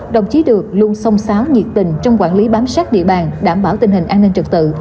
đồng chí được luôn sông sáo nhiệt tình trong quản lý bám sát địa bàn đảm bảo tình hình an ninh trật tự